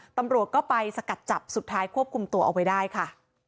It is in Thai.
ตำรวจก็ไปสกัดจับสุดท้ายควบคุมตัวเอาไว้ได้ค่ะ